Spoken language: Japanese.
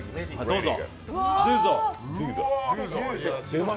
どうぞ。